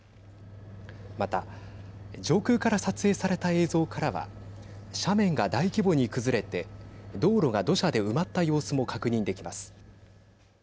また、上空から撮影された映像からは斜面が大規模に崩れて道路が土砂で埋まった様子も確認できます。